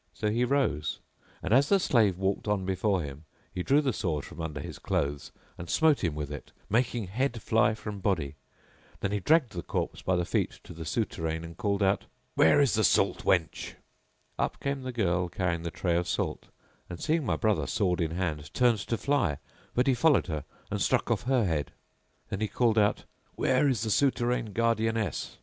So he rose, and as the slave walked on before him he drew the sword from under his clothes and smote him with it, making head fly from body. Then he dragged the corpse by the feet to the souterrain and called out, "Where is the salt wench?" Up came the girl carrying the tray of salt and, seeing my brother sword in hand, turned to fly; but he followed her and struck off her head. Then he called out, "Where is the souterrain guardianess?